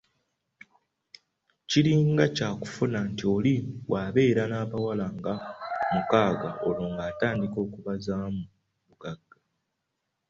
Kiringa kyakufuna anti oli bw’abeera n’abawala nga mukaaga olwo ng’atandika kubazaamu bugagga.